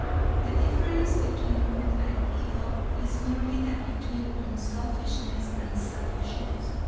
The difference between good and evil is merely that between unselfishness and selfishness.